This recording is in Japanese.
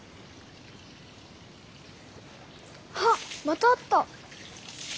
はっまたあった！